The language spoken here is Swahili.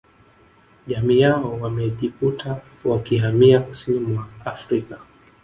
Jamii yao wamejikuta wakihamia kusini mwa Afrika